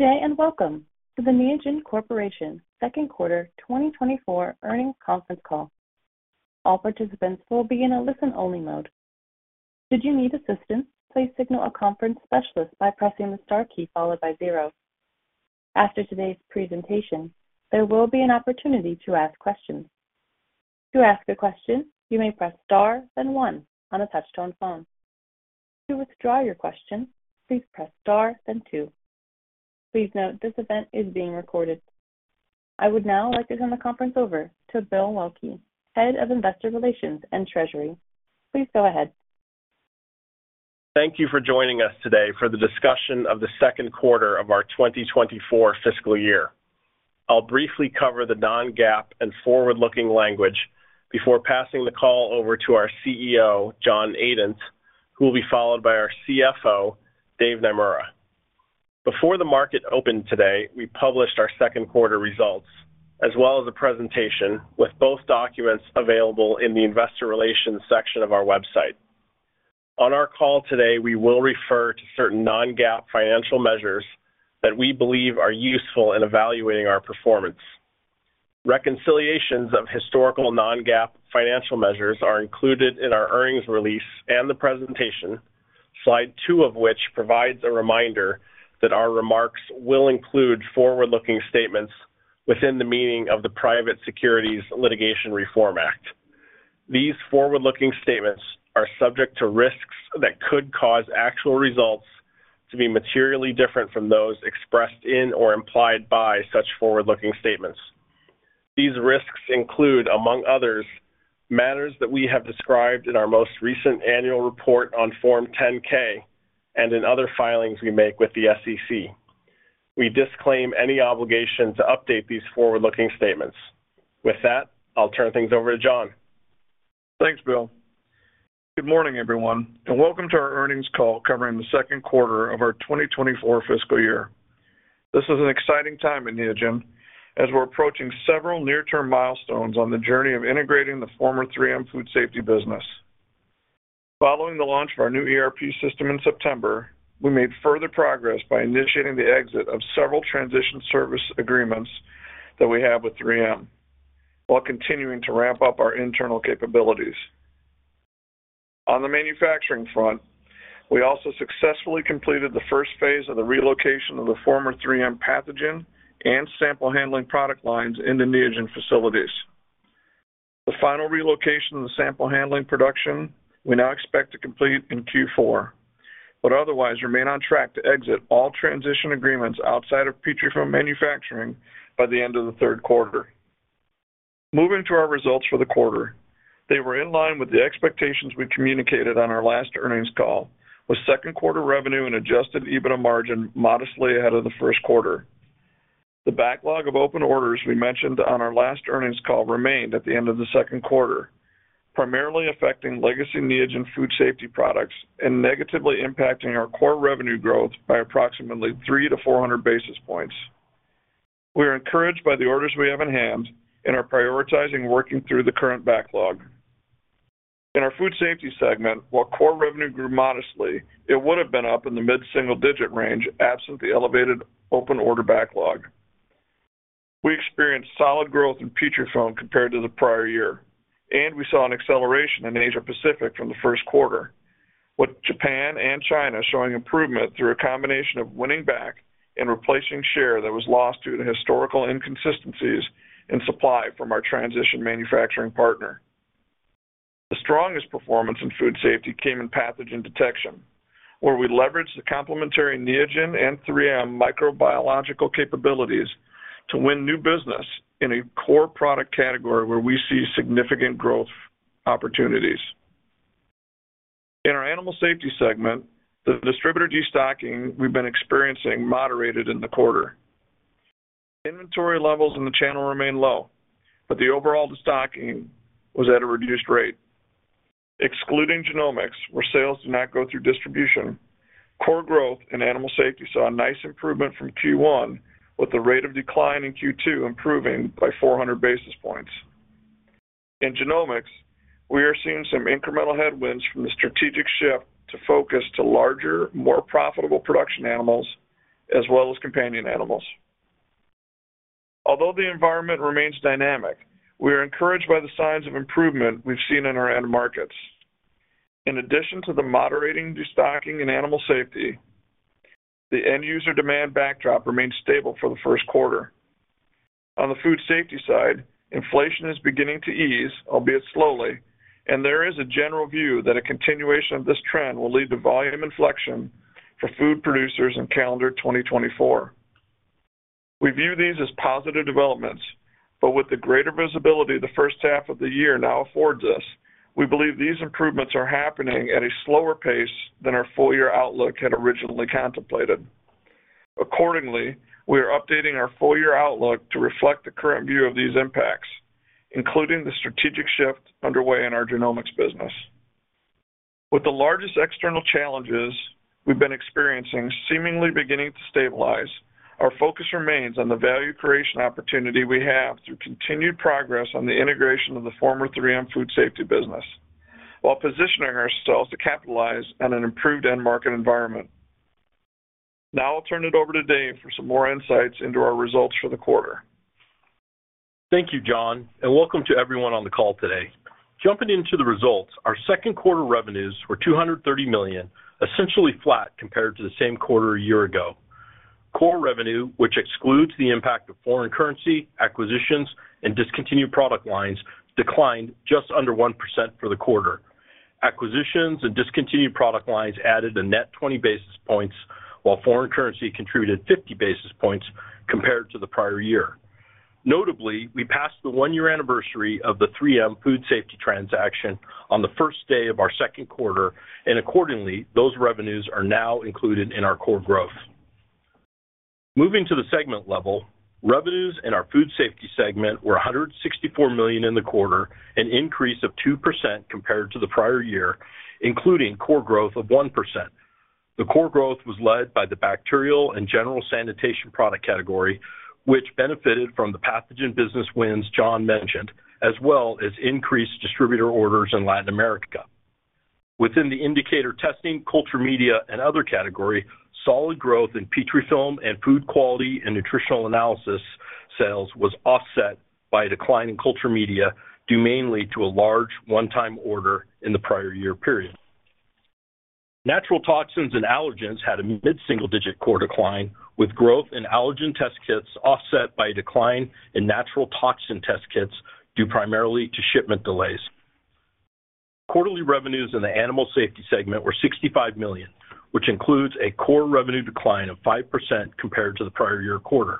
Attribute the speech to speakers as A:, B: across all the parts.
A: Good day, and welcome to the Neogen Corporation Second Quarter 2024 Earnings Conference Call. All participants will be in a listen-only mode. Should you need assistance, please signal a conference specialist by pressing the star key followed by 0. After today's presentation, there will be an opportunity to ask questions. To ask a question, you may press Star, then 1 on a touch-tone phone. To withdraw your question, please press Star, then 2. Please note, this event is being recorded. I would now like to turn the conference over to Bill Waelke, Head of Investor Relations and Treasury. Please go ahead.
B: Thank you for joining us today for the discussion of the second quarter of our 2024 fiscal year. I'll briefly cover the non-GAAP and forward-looking language before passing the call over to our CEO, John Adent, who will be followed by our CFO, Dave Naemura. Before the market opened today, we published our second quarter results, as well as a presentation, with both documents available in the Investor Relations section of our website. On our call today, we will refer to certain non-GAAP financial measures that we believe are useful in evaluating our performance. Reconciliations of historical non-GAAP financial measures are included in our earnings release and the presentation, slide 2 of which provides a reminder that our remarks will include forward-looking statements within the meaning of the Private Securities Litigation Reform Act. These forward-looking statements are subject to risks that could cause actual results to be materially different from those expressed in or implied by such forward-looking statements. These risks include, among others, matters that we have described in our most recent annual report on Form 10-K and in other filings we make with the SEC. We disclaim any obligation to update these forward-looking statements. With that, I'll turn things over to John.
C: Thanks, Bill. Good morning, everyone, and welcome to our earnings call covering the second quarter of our 2024 fiscal year. This is an exciting time at Neogen as we're approaching several near-term milestones on the journey of integrating the former 3M Food Safety business. Following the launch of our new ERP system in September, we made further progress by initiating the exit of several transition service agreements that we have with 3M, while continuing to ramp up our internal capabilities. On the manufacturing front, we also successfully completed the first phase of the relocation of the former 3M pathogen and sample handling product lines in the Neogen facilities. The final relocation of the sample handling production we now expect to complete in Q4, but otherwise remain on track to exit all transition agreements outside of Petrifilm manufacturing by the end of the third quarter. Moving to our results for the quarter. They were in line with the expectations we communicated on our last earnings call, with second quarter revenue and Adjusted EBITDA margin modestly ahead of the first quarter. The backlog of open orders we mentioned on our last earnings call remained at the end of the second quarter, primarily affecting legacy Neogen Food Safety products and negatively impacting our core revenue growth by approximately 300-400 basis points. We are encouraged by the orders we have in hand and are prioritizing working through the current backlog. In our Food Safety segment, while core revenue grew modestly, it would have been up in the mid-single-digit range, absent the elevated open order backlog. We experienced solid growth in Petrifilm compared to the prior year, and we saw an acceleration in Asia Pacific from the first quarter, with Japan and China showing improvement through a combination of winning back and replacing share that was lost due to historical inconsistencies in supply from our transition manufacturing partner. The strongest performance in food safety came in pathogen detection, where we leveraged the complementary Neogen and 3M microbiological capabilities to win new business in a core product category where we see significant growth opportunities. In our Animal Safety segment, the distributor destocking we've been experiencing moderated in the quarter. Inventory levels in the channel remained low, but the overall destocking was at a reduced rate. Excluding genomics, where sales do not go through distribution, core growth in Animal Safety saw a nice improvement from Q1, with the rate of decline in Q2 improving by 400 basis points. In genomics, we are seeing some incremental headwinds from the strategic shift to focus to larger, more profitable production animals as well as companion animals. Although the environment remains dynamic, we are encouraged by the signs of improvement we've seen in our end markets. In addition to the moderating destocking in Animal Safety, the end-user demand backdrop remains stable for the first quarter. On the food safety side, inflation is beginning to ease, albeit slowly, and there is a general view that a continuation of this trend will lead to volume inflection for food producers in calendar 2024. We view these as positive developments, but with the greater visibility the first half of the year now affords us, we believe these improvements are happening at a slower pace than our full-year outlook had originally contemplated. Accordingly, we are updating our full-year outlook to reflect the current view of these impacts, including the strategic shift underway in our Genomics business. With the largest external challenges we've been experiencing seemingly beginning to stabilize, our focus remains on the value creation opportunity we have through continued progress on the integration of the former 3M Food Safety business, while positioning ourselves to capitalize on an improved end market environment. Now I'll turn it over to Dave for some more insights into our results for the quarter.
D: Thank you, John, and welcome to everyone on the call today. Jumping into the results, our second quarter revenues were $230 million, essentially flat compared to the same quarter a year ago. Core revenue, which excludes the impact of foreign currency, acquisitions, and discontinued product lines, declined just under 1% for the quarter. Acquisitions and discontinued product lines added a net 20 basis points, while foreign currency contributed 50 basis points compared to the prior year. Notably, we passed the 1-year anniversary of the 3M Food Safety transaction on the first day of our second quarter, and accordingly, those revenues are now included in our core growth. Moving to the segment level, revenues in our Food Safety segment were $164 million in the quarter, an increase of 2% compared to the prior year, including core growth of 1%. The core growth was led by the Bacterial and General Sanitation product category, which benefited from the pathogen business wins John mentioned, as well as increased distributor orders in Latin America. Within the Indicator Testing, Culture Media, and Other category, solid growth in Petrifilm and food quality and nutritional analysis sales was offset by a decline in Culture Media, due mainly to a large one-time order in the prior year period. Natural Toxins and Allergens had a mid-single-digit core decline, with growth in allergen test kits offset by a decline in natural toxin test kits, due primarily to shipment delays. Quarterly revenues in the Animal Safety segment were $65 million, which includes a core revenue decline of 5% compared to the prior year quarter.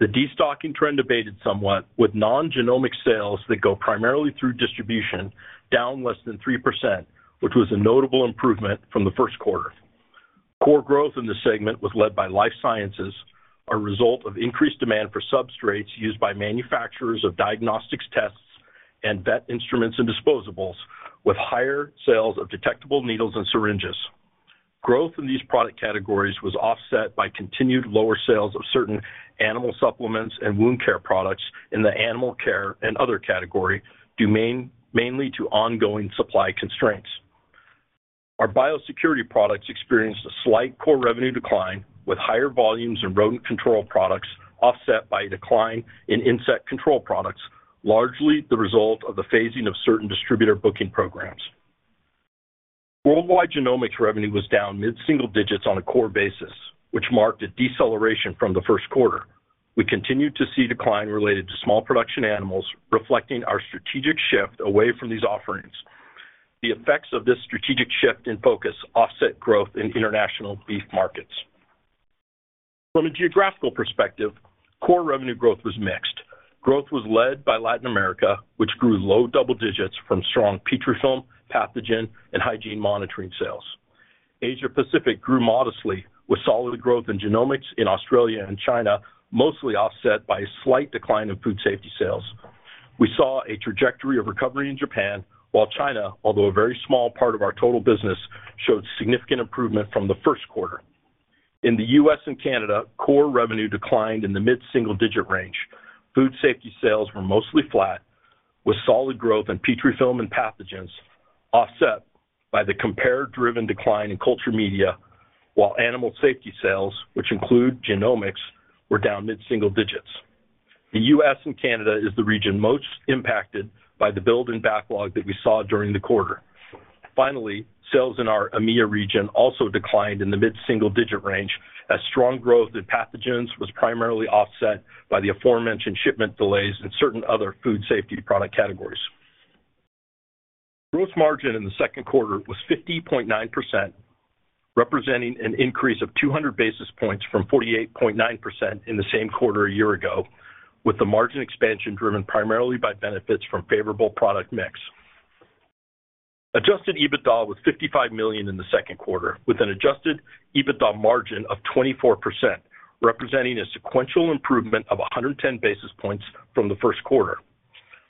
D: The destocking trend abated somewhat, with non-genomic sales that go primarily through distribution down less than 3%, which was a notable improvement from the first quarter. Core growth in the segment was led by Life Sciences, a result of increased demand for substrates used by manufacturers of diagnostics tests and Vet Instruments and Disposables, with higher sales of detectable needles and syringes. Growth in these product categories was offset by continued lower sales of certain animal supplements and wound care products in the Animal Care and Other category, due mainly to ongoing supply constraints. Our biosecurity products experienced a slight core revenue decline, with higher volumes in rodent control products offset by a decline in insect control products, largely the result of the phasing of certain distributor booking programs. Worldwide genomics revenue was down mid-single digits on a core basis, which marked a deceleration from the first quarter. We continued to see decline related to small production animals, reflecting our strategic shift away from these offerings. The effects of this strategic shift in focus offset growth in international beef markets. From a geographical perspective, core revenue growth was mixed. Growth was led by Latin America, which grew low double digits from strong Petrifilm, pathogen, and hygiene monitoring sales. Asia Pacific grew modestly, with solid growth in genomics in Australia and China, mostly offset by a slight decline in food safety sales. We saw a trajectory of recovery in Japan, while China, although a very small part of our total business, showed significant improvement from the first quarter. In the U.S. and Canada, core revenue declined in the mid-single-digit range. Food safety sales were mostly flat, with solid growth in Petrifilm and pathogens, offset by the compare-driven decline in Culture Media, while animal safety sales, which include Genomics, were down mid-single digits. The U.S. and Canada is the region most impacted by the build and backlog that we saw during the quarter. Finally, sales in our EMEIA region also declined in the mid-single-digit range, as strong growth in pathogens was primarily offset by the aforementioned shipment delays in certain other food safety product categories. Gross margin in the second quarter was 50.9%, representing an increase of 200 basis points from 48.9% in the same quarter a year ago, with the margin expansion driven primarily by benefits from favorable product mix. Adjusted EBITDA was $55 million in the second quarter, with an adjusted EBITDA margin of 24%, representing a sequential improvement of 110 basis points from the first quarter.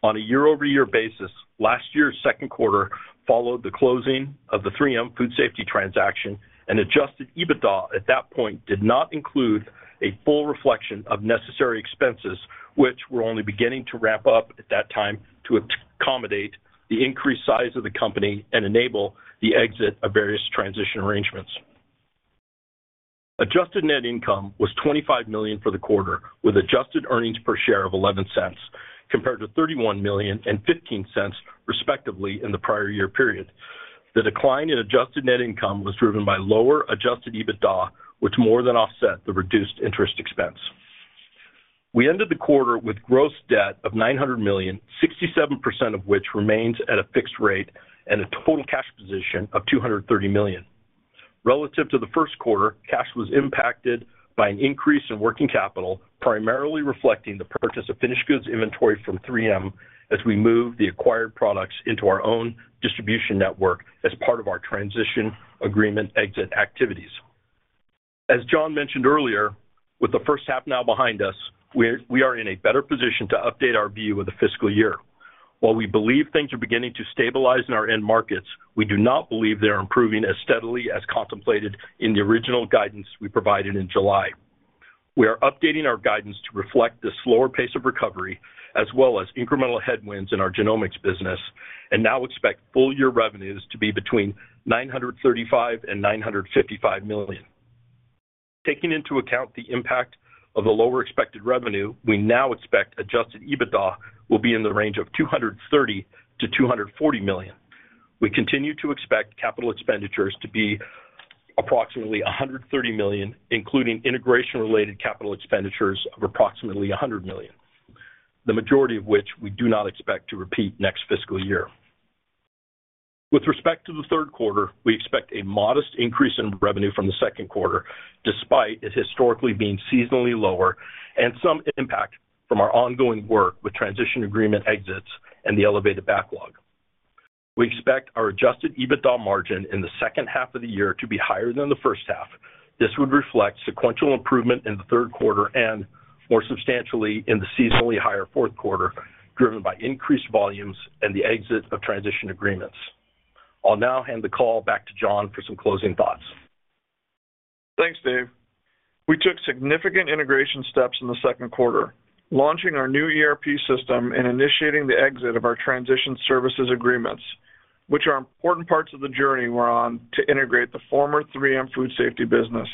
D: On a year-over-year basis, last year's second quarter followed the closing of the 3M Food Safety transaction, and adjusted EBITDA at that point did not include a full reflection of necessary expenses, which were only beginning to wrap up at that time to accommodate the increased size of the company and enable the exit of various transition arrangements. Adjusted net income was $25 million for the quarter, with adjusted earnings per share of $0.11, compared to $31 million and $0.15, respectively, in the prior year period. The decline in adjusted net income was driven by lower adjusted EBITDA, which more than offset the reduced interest expense. We ended the quarter with gross debt of $900 million, 67% of which remains at a fixed rate, and a total cash position of $230 million. Relative to the first quarter, cash was impacted by an increase in working capital, primarily reflecting the purchase of finished goods inventory from 3M as we moved the acquired products into our own distribution network as part of our transition agreement exit activities. As John mentioned earlier, with the first half now behind us, we are in a better position to update our view of the fiscal year. While we believe things are beginning to stabilize in our end markets, we do not believe they are improving as steadily as contemplated in the original guidance we provided in July. We are updating our guidance to reflect the slower pace of recovery, as well as incremental headwinds in our genomics business, and now expect full-year revenues to be between $935 million and $955 million. Taking into account the impact of the lower expected revenue, we now expect Adjusted EBITDA will be in the range of $230 million-$240 million. We continue to expect capital expenditures to be approximately $130 million, including integration-related capital expenditures of approximately $100 million, the majority of which we do not expect to repeat next fiscal year. With respect to the third quarter, we expect a modest increase in revenue from the second quarter, despite it historically being seasonally lower and some impact from our ongoing work with transition agreement exits and the elevated backlog. We expect our Adjusted EBITDA margin in the second half of the year to be higher than the first half. This would reflect sequential improvement in the third quarter and more substantially in the seasonally higher fourth quarter, driven by increased volumes and the exit of transition agreements. I'll now hand the call back to John for some closing thoughts.
C: Thanks, Dave. We took significant integration steps in the second quarter, launching our new ERP system and initiating the exit of our transition services agreements, which are important parts of the journey we're on to integrate the former 3M Food Safety business.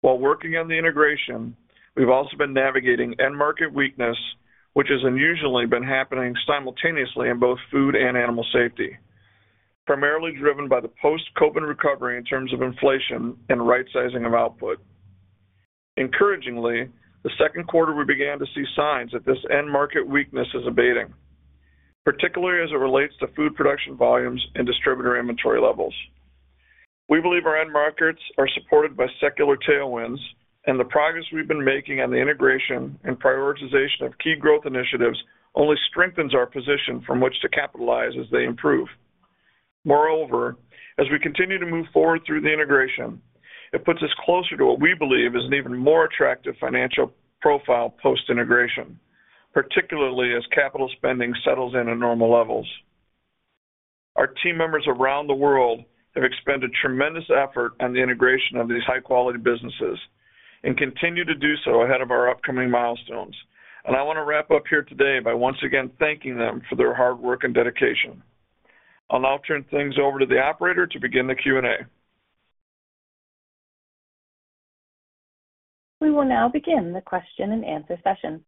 C: While working on the integration, we've also been navigating end market weakness, which has unusually been happening simultaneously in both food and animal safety, primarily driven by the post-COVID recovery in terms of inflation and right sizing of output. Encouragingly, the second quarter, we began to see signs that this end market weakness is abating, particularly as it relates to food production volumes and distributor inventory levels. We believe our end markets are supported by secular tailwinds, and the progress we've been making on the integration and prioritization of key growth initiatives only strengthens our position from which to capitalize as they improve. Moreover, as we continue to move forward through the integration, it puts us closer to what we believe is an even more attractive financial profile post-integration, particularly as capital spending settles in at normal levels. Our team members around the world have expended tremendous effort on the integration of these high-quality businesses and continue to do so ahead of our upcoming milestones. I want to wrap up here today by once again thanking them for their hard work and dedication. I'll now turn things over to the operator to begin the Q&A.
A: We will now begin the question-and-answer session.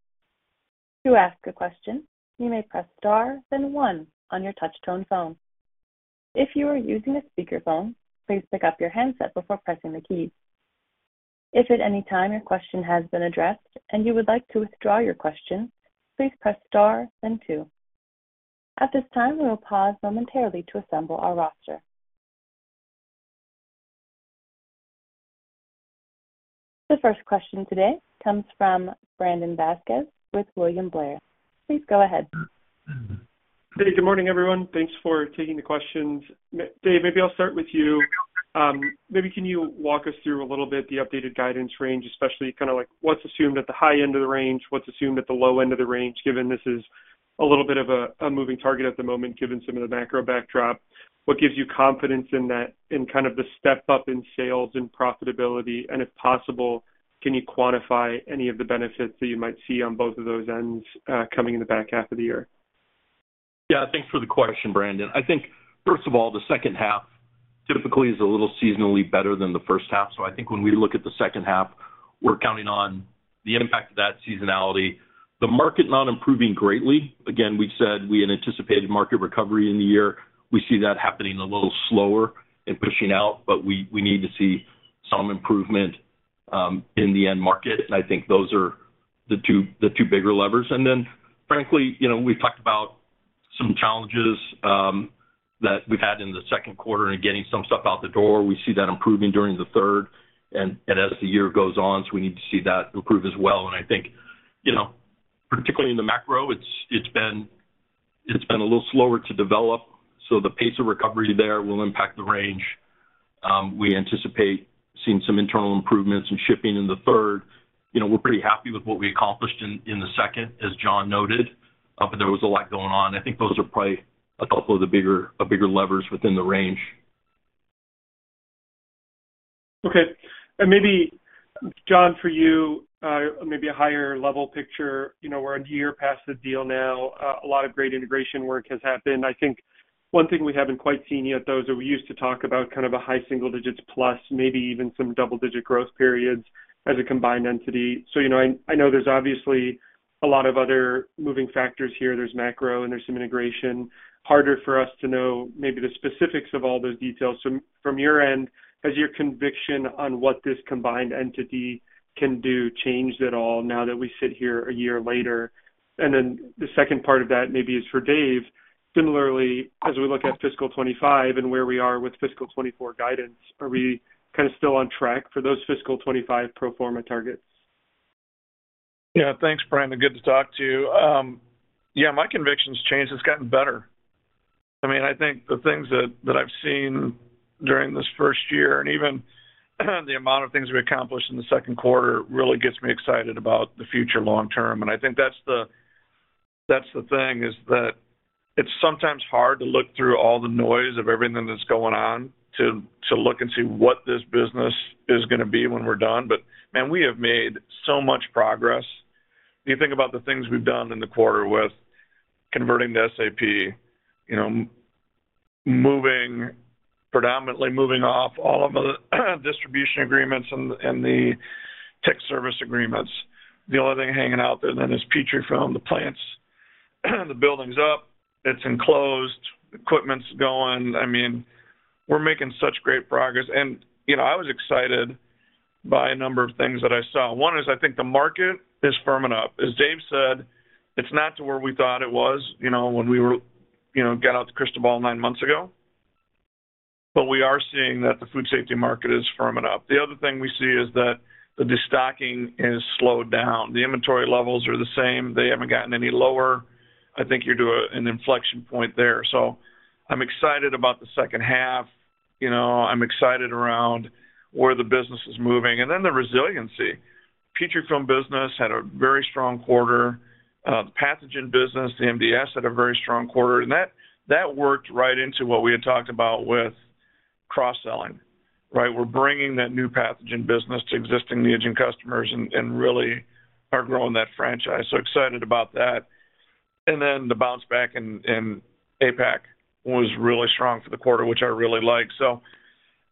A: To ask a question, you may press Star, then one on your touchtone phone. If you are using a speakerphone, please pick up your handset before pressing the key. If at any time your question has been addressed and you would like to withdraw your question, please press Star then two. At this time, we will pause momentarily to assemble our roster. The first question today comes from Brandon Vazquez with William Blair. Please go ahead.
E: Hey, good morning, everyone. Thanks for taking the questions. Dave, maybe I'll start with you. Maybe can you walk us through a little bit the updated guidance range, especially kind of like what's assumed at the high end of the range, what's assumed at the low end of the range, given this is a little bit of a moving target at the moment, given some of the macro backdrop? What gives you confidence in that, in kind of the step up in sales and profitability? And if possible, can you quantify any of the benefits that you might see on both of those ends, coming in the back half of the year?
D: Yeah, thanks for the question, Brandon. I think first of all, the second half typically is a little seasonally better than the first half. So I think when we look at the second half, we're counting on the impact of that seasonality, the market not improving greatly. Again, we've said we had anticipated market recovery in the year. We see that happening a little slower and pushing out, but we, we need to see some improvement in the end market. And I think those are the two, the two bigger levers. And then frankly, you know, we've talked about some challenges that we've had in the second quarter and getting some stuff out the door. We see that improving during the third and, and as the year goes on, so we need to see that improve as well. I think, you know, particularly in the macro, it's been a little slower to develop, so the pace of recovery there will impact the range. We anticipate seeing some internal improvements in shipping in the third. You know, we're pretty happy with what we accomplished in the second, as John noted, but there was a lot going on. I think those are probably a couple of the bigger levers within the range.
E: Okay. Maybe, John, for you, maybe a higher level picture. You know, we're a year past the deal now. A lot of great integration work has happened. I think one thing we haven't quite seen yet, though, is that we used to talk about kind of a high single digits plus maybe even some double-digit growth periods as a combined entity. So, you know, I know there's obviously a lot of other moving factors here. There's macro and there's some integration. Harder for us to know maybe the specifics of all those details. From your end, has your conviction on what this combined entity can do changed at all now that we sit here a year later? And then the second part of that maybe is for Dave. Similarly, as we look at fiscal 2025 and where we are with fiscal 2024 guidance, are we kind of still on track for those fiscal 2025 pro forma targets?
C: Yeah. Thanks, Brandon. Good to talk to you. Yeah, my conviction's changed. It's gotten better. I mean, I think the things that, that I've seen during this first year and even, the amount of things we accomplished in the second quarter, really gets me excited about the future long term. And I think that's the thing, is that it's sometimes hard to look through all the noise of everything that's going on, to, to look and see what this business is gonna be when we're done. But, man, we have made so much progress. You think about the things we've done in the quarter with converting to SAP, you know, predominantly moving off all of the, distribution agreements and the, and the tech service agreements. The only thing hanging out there then is Petrifilm. The plants, the building's up, it's enclosed, equipment's going. I mean, we're making such great progress. And, you know, I was excited by a number of things that I saw. One is, I think the market is firming up. As Dave said, it's not to where we thought it was, you know, when we were, you know, got out the crystal ball nine months ago, but we are seeing that the food safety market is firming up. The other thing we see is that the destocking has slowed down. The inventory levels are the same. They haven't gotten any lower. I think you're due an inflection point there. So I'm excited about the second half. You know, I'm excited around where the business is moving, and then the resiliency. Petrifilm business had a very strong quarter. The pathogen business, the MDS, had a very strong quarter, and that worked right into what we had talked about with cross-selling, right? We're bringing that new pathogen business to existing Neogen customers and really are growing that franchise. So excited about that. And then the bounce back in APAC was really strong for the quarter, which I really like. So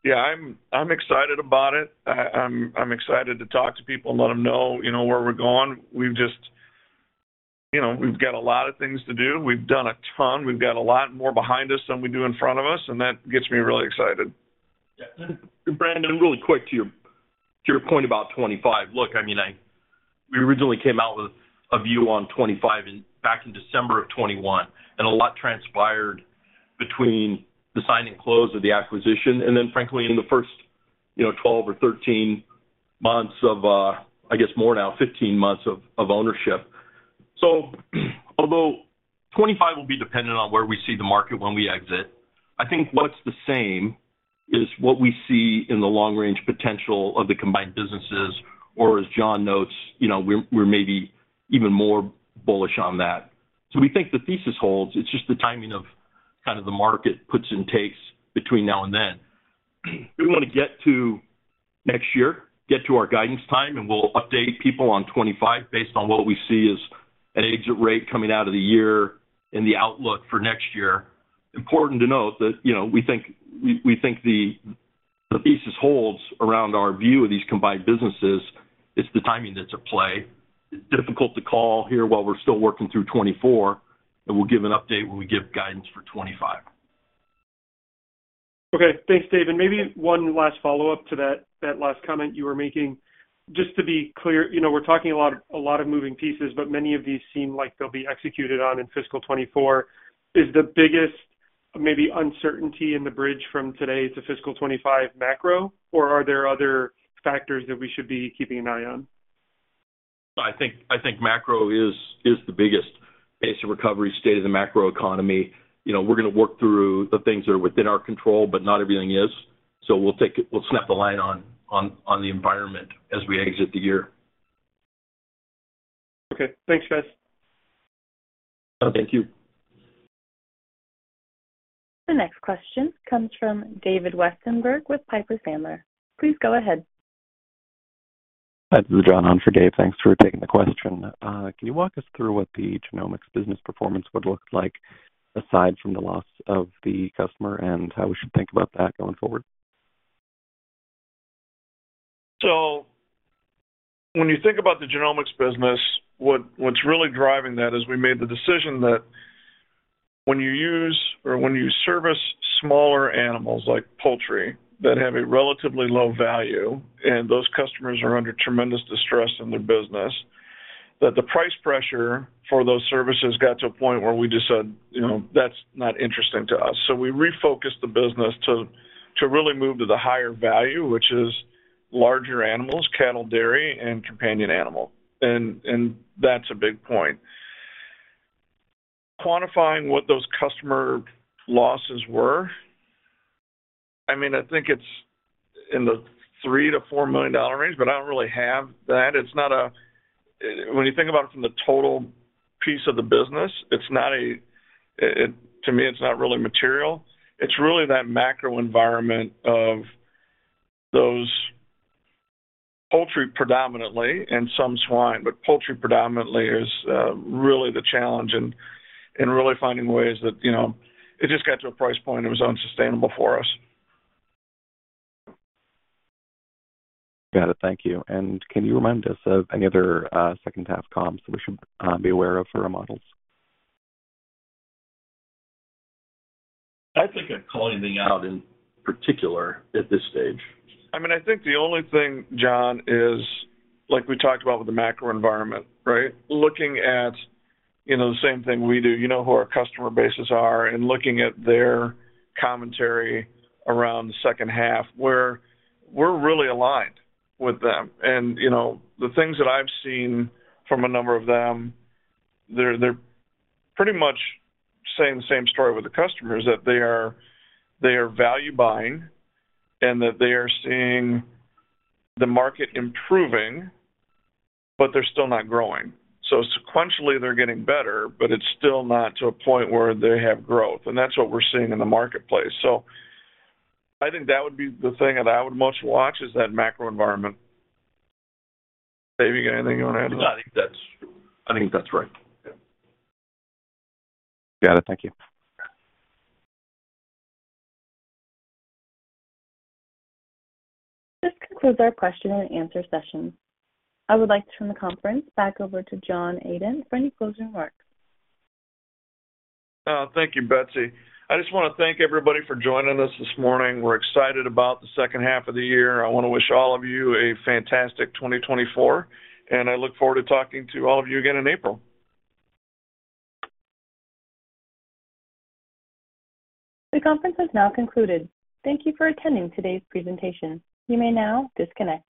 C: yeah, I'm excited about it. I'm excited to talk to people and let them know, you know, where we're going. We've just... You know, we've got a lot of things to do. We've done a ton. We've got a lot more behind us than we do in front of us, and that gets me really excited.
D: Yeah. And Brandon, really quick to your, to your point about 25. Look, I mean, we originally came out with a view on 25 back in December of 2021, and a lot transpired between the sign and close of the acquisition, and then frankly, in the first, you know, 12 or 13 months of, I guess more now, 15 months of, of ownership. So although 25 will be dependent on where we see the market when we exit, I think what's the same is what we see in the long-range potential of the combined businesses, or as John notes, you know, we're, we're maybe even more bullish on that. So we think the thesis holds. It's just the timing of kind of the market puts and takes between now and then. We want to get to next year, get to our guidance time, and we'll update people on 2025 based on what we see as an exit rate coming out of the year and the outlook for next year. Important to note that, you know, we think the thesis holds around our view of these combined businesses. It's the timing that's at play. It's difficult to call here while we're still working through 2024, but we'll give an update when we give guidance for 2025.
E: Okay, thanks, Dave. Maybe one last follow-up to that last comment you were making. Just to be clear, you know, we're talking a lot, a lot of moving pieces, but many of these seem like they'll be executed on in fiscal 2024. Is the biggest maybe uncertainty in the bridge from today to fiscal 2025 macro, or are there other factors that we should be keeping an eye on?
D: I think macro is the biggest pace of recovery state of the macroeconomy. You know, we're gonna work through the things that are within our control, but not everything is. So we'll take it, we'll snap the line on the environment as we exit the year.
E: Okay. Thanks, guys.
D: Thank you.
A: The next question comes from David Westenberg with Piper Sandler. Please go ahead.
F: Hi, this is John on for Dave. Thanks for taking the question. Can you walk us through what the genomics business performance would look like, aside from the loss of the customer, and how we should think about that going forward?
C: So when you think about the genomics business, what's really driving that is we made the decision that when you use or when you service smaller animals like poultry, that have a relatively low value, and those customers are under tremendous distress in their business, that the price pressure for those services got to a point where we just said, "You know, that's not interesting to us." So we refocused the business to really move to the higher value, which is larger animals, cattle, dairy, and companion animal. And that's a big point. Quantifying what those customer losses were, I mean, I think it's in the $3 million-$4 million range, but I don't really have that. It's not a... When you think about it from the total piece of the business, it's not a... To me, it's not really material. It's really that macro environment of those poultry predominantly and some swine, but poultry predominantly is really the challenge in really finding ways that, you know, it just got to a price point that was unsustainable for us.
F: Got it. Thank you. Can you remind us of any other second half comms that we should be aware of for our models?
D: I think I'd call anything out in particular at this stage.
C: I mean, I think the only thing, John, is like we talked about with the macro environment, right? Looking at, you know, the same thing we do. You know who our customer bases are, and looking at their commentary around the second half, we're, we're really aligned with them. And, you know, the things that I've seen from a number of them, they're, they're pretty much saying the same story with the customers, that they are, they are value buying and that they are seeing the market improving, but they're still not growing. So sequentially, they're getting better, but it's still not to a point where they have growth, and that's what we're seeing in the marketplace. So I think that would be the thing that I would most watch, is that macro environment. Dave, you got anything you want to add?
D: I think that's, I think that's right. Yeah.
G: Got it. Thank you.
A: This concludes our question and answer session. I would like to turn the conference back over to John Adent for any closing remarks.
D: Thank you, Betsy. I just want to thank everybody for joining us this morning. We're excited about the second half of the year. I want to wish all of you a fantastic 2024, and I look forward to talking to all of you again in April.
A: The conference is now concluded. Thank you for attending today's presentation. You may now disconnect.